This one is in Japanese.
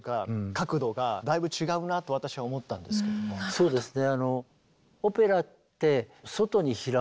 そうですね。